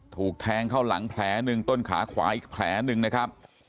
ถูกแทงเข้าหลังแผลหนึ่งต้นขาขวาอีกแผลหนึ่งนะครับ